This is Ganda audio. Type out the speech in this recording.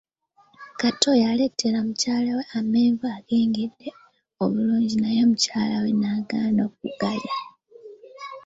Kato yaletera mukyala we amenvu agengedde obulungi naye omukyala n'agaana okugalya.